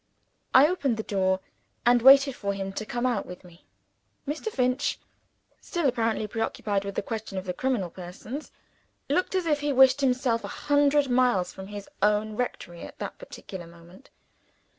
I opened the door, and waited for him to come out with me. Mr. Finch (still apparently pre occupied with the question of the criminal persons) looked as if he wished himself a hundred miles from his own rectory at that particular moment.